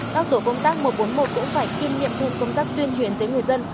các tổ công tác một trăm bốn mươi một cũng phải kiên nghiệm thêm công tác tuyên truyền tới người dân